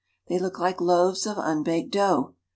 They look like loaves of unbaked dough.